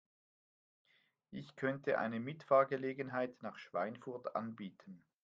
Ich könnte eine Mitfahrgelegenheit nach Schweinfurt anbieten